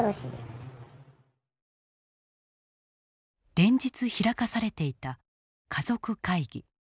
連日開かされていた家族会議。